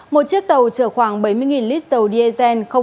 một chiếc tàu chở khoảng bảy mươi lít dầu diesel